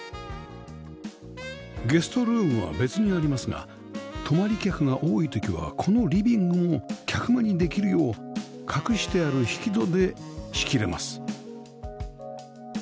ゲストルームは別にありますが泊まり客が多い時はこのリビングも客間にできるよう隠してある引き戸で仕切れます